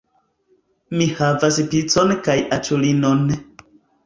Ni havas picon kaj aĉulinon